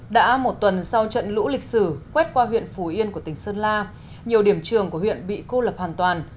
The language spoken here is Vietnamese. đã một tuần sau trận lũ lịch sử quét qua huyện phù yên của tỉnh sơn la nhiều điểm trường của huyện bị cô lập hoàn toàn